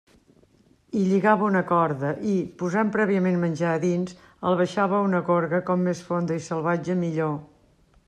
Hi lligava una corda i, posant prèviament menjar a dins, el baixava a una gorga com més fonda i salvatge millor.